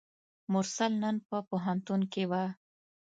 مرسل نن په پوهنتون کې وه.